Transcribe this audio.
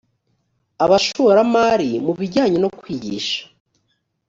abashoramari mu bijyanye no kwigisha